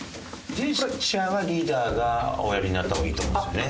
ジェスチャーはリーダーがおやりになった方がいいと思うんですよね。